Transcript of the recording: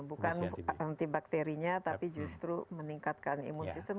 bukan anti bakterinya tapi justru meningkatkan imun sistem